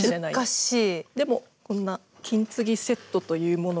でもこんな金継ぎセットというものが。